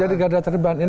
jadi gadar terdepan